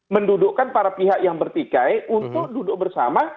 mendudukkan para pihak yang bertikai untuk duduk bersama